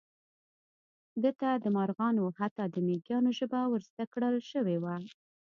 ده ته د مارغانو او حتی د مېږیانو ژبه ور زده کړل شوې وه.